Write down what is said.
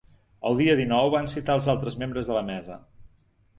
El dia dinou van citar els altres membres de la mesa.